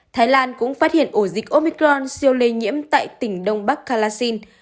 thái lan cũng phát hiện ổ dịch omicron siêu lây nhiễm tại tỉnh đông bắc calassion